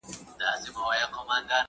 وږې پيشي د زمري سره جنکېږي ..